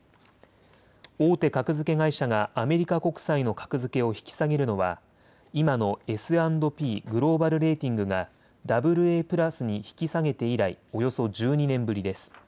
大手格付け会社がアメリカ国債の格付けを引き下げるのは今のＳ＆Ｐグローバル・レーティングがＡＡ＋に引き下げて以来およそ１２年ぶりです。